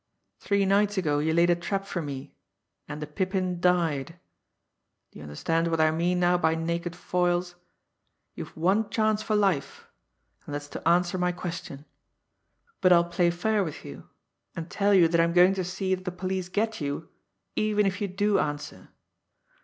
Three nights ago you laid a trap for me and the Pippin died. Do you understand what I mean now by naked foils? You've one chance for life and that's to answer my question. But I'll play fair with you, and tell you that I'm going to see that the police get you even if you do answer.